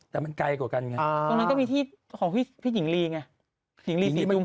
แต่มันไกลกว่ากันไง